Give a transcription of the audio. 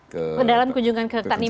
kedalam kunjungan ke tanimbar tadi ya